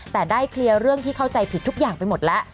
แต่ได้เคลียร์เรื่องที่เข้าใจผิดทุกอย่างไปหมดแล้ว